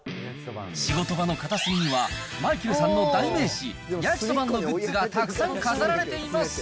仕事場の片隅には、マイケルさんの代名詞、ヤキソバンのグッズがたくさん飾られています。